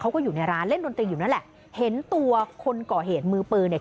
เขาก็อยู่ในร้านเล่นดนตรีอยู่นั่นแหละเห็นตัวคนก่อเหตุมือปืนเนี่ย